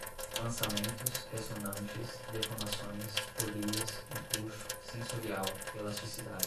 lançamentos, ressonantes, deformações, polias, empuxo, sensorial, elasticidade